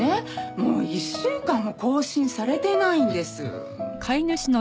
もう１週間も更新されてないんです。